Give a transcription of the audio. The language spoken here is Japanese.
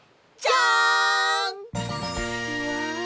うわ！